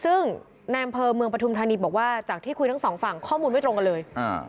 ซึ่งแนมเพอร์เมืองประทุมธนิดบอกว่าจากที่คุยทั้งสองฝั่งข้อมูลไม่ตรงกันเลย